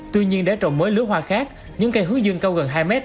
tuy nhiên để trồng mới lứa hoa khác những cây hướng dương cao gần hai mét